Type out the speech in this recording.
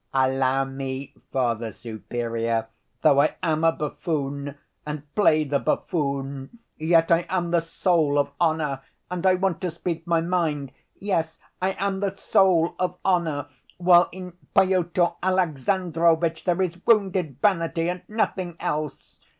Allow me, Father Superior, though I am a buffoon and play the buffoon, yet I am the soul of honor, and I want to speak my mind. Yes, I am the soul of honor, while in Pyotr Alexandrovitch there is wounded vanity and nothing else.